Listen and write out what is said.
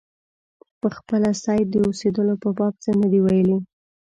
پخپله سید د اوسېدلو په باب څه نه دي لیکلي.